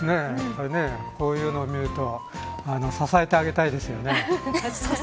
こういうのを見ると支えてあげたいですよね。